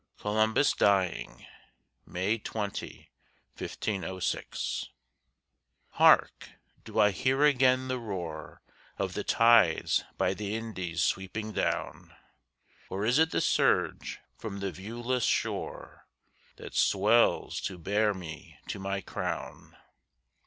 COLUMBUS DYING [May 20, 1506] Hark! do I hear again the roar Of the tides by the Indies sweeping down? Or is it the surge from the viewless shore That swells to bear me to my crown?